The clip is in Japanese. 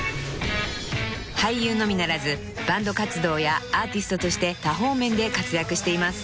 ［俳優のみならずバンド活動やアーティストとして多方面で活躍しています］